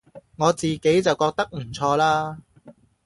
我自己就覺得唔錯啦